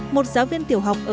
một giáo viên tiểu học ở sài gòn